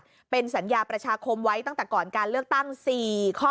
ที่เคยประกาศเป็นสัญญาประชาคมไว้ตั้งแต่ก่อนการเลือกตั้ง๔ข้อ